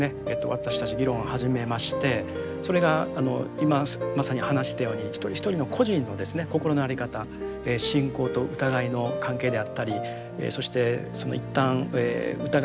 私たち議論を始めましてそれが今まさに話したように一人一人の個人の心の在り方信仰と疑いの関係であったりそして一旦疑いなき道を行った人がですね